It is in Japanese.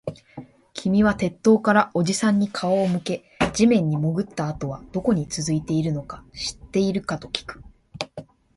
君は鉄塔からおじさんに顔を向け、地面に潜ったあとはどこに続いているのか知っているかときく